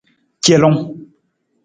Celung.